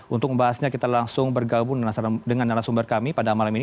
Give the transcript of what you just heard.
untuk membahasnya kita langsung bergabung dengan narasumber kami pada malam ini